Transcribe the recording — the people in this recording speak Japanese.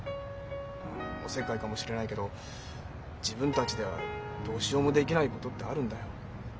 まあおせっかいかもしれないけど自分たちではどうしようもできないことってあるんだよ。